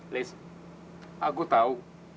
liz aku tahu